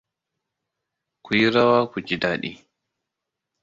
Ku yi rawa ku ji dadi.